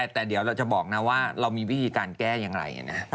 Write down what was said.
แต่เดี๋ยวเราจะบอกนะว่าเรามีวิธีการแก้อย่างไรนะ